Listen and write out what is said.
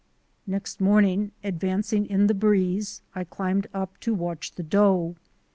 Next morning, advancing in the breeze, I climbed up to watch the doe.